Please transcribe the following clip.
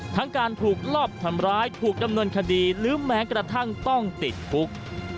ทั้งการถูกลอบทำร้ายถูกดำเนินคดีหรือแม้กระทั่งต้องติดคุก